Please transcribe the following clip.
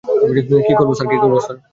কী করব, স্যার?